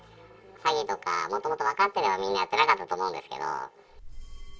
詐欺とか、もともと分かってればみんなやってなかったと思うんですけれども。